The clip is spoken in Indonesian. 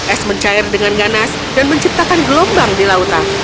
es mencair dengan ganas dan menciptakan gelombang di lautan